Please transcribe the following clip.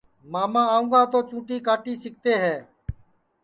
ماما آونگا تو چُوٹی کاٹی سِکتے ہے